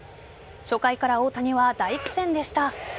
初回から大谷は大苦戦でした。